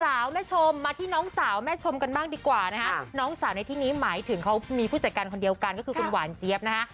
แม่ชมมาที่น้องสาวแม่ชมกันบ้างดีกว่านะคะน้องสาวในที่นี้หมายถึงเขามีผู้จัดการคนเดียวกันก็คือคุณหวานเจี๊ยบนะฮะ